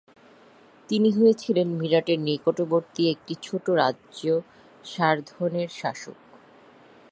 তিনি হয়েছিলেন মিরাটের নিকটবর্তী একটি ছোট রাজ্য সারধনের শাসক।